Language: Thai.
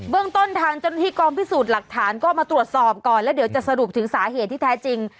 เรื่องต้นทางเจ้าหน้าที่กองพิสูจน์หลักฐานก็มาตรวจสอบก่อนแล้วเดี๋ยวจะสรุปถึงสาเหตุที่แท้จริง